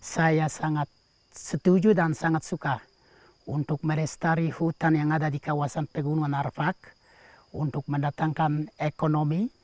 saya sangat setuju dan sangat suka untuk merestari hutan yang ada di kawasan pegunungan arfak untuk mendatangkan ekonomi